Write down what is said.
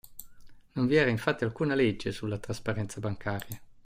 Non vi era infatti alcuna legge sulla "trasparenza bancaria".